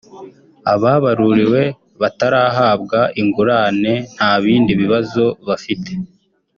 Ababaruriwe batarahabwa ingurane nta bindi bibazo bafite